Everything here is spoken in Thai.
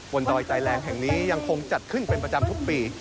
ดอยใจแรงแห่งนี้ยังคงจัดขึ้นเป็นประจำทุกปี